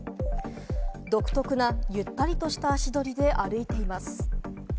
独特なゆったりとした足取りで歩いています。